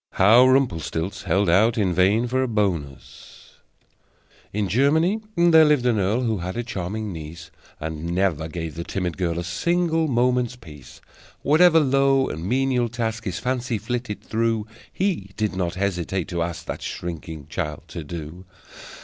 How Rumplestilz Held Out in Vain for a Bonus In Germany there lived an earl Who had a charming niece: And never gave the timid girl A single moment's peace! Whatever low and menial task His fancy flitted through, He did not hesitate to ask That shrinking child to do.